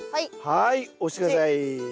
はい押して下さい。